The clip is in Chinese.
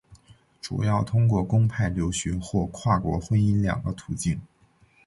主要通过公派留学或跨国婚姻两个途径。